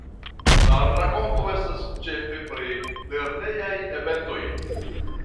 La rakonto estas ĉefe pri lernejaj eventoj.